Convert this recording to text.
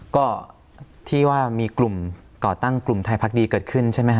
ก็ที่ว่ามีกลุ่มก่อตั้งกลุ่มไทยพักดีเกิดขึ้นใช่ไหมฮ